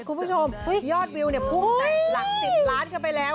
คุณผู้ชมยอดวิวเนี่ยพุ่งแต่หลัก๑๐ล้านกันไปแล้ว